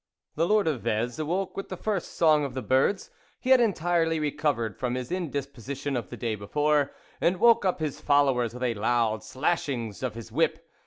> The Lord of Vez awoke with the first song of the birds ; he had entirely re covered from his indisposition of the day before, and woke up his followers with loud slashings of his whip.